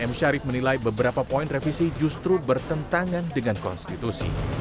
m syarif menilai beberapa poin revisi justru bertentangan dengan konstitusi